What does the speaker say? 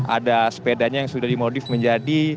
ada sepedanya yang sudah dimodif menjadi